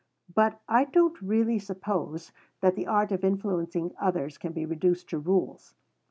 But I don't really suppose that the art of influencing others can be reduced to rules.